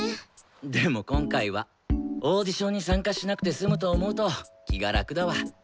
でも今回はオーディションに参加しなくて済むと思うと気が楽だわ。